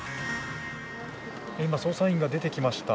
今、捜査員が出てきました。